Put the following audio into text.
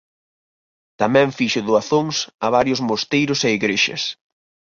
Tamén fixo doazóns a varios mosteiros e igrexas.